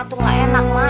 itu gak enak mak